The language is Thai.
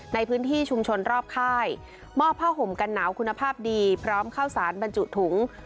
ในพื้นที่ชุมชนรอบค่ายมอบผ้าห่มกันหนาวคุณภาพดีพร้อมข้าวสารบรรจุถุง